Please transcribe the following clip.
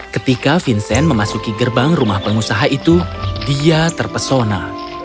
ketika vincent memasuki gerbang rumah pengusaha itu dia terpesona